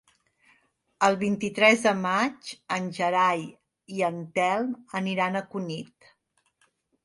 El vint-i-tres de maig en Gerai i en Telm aniran a Cunit.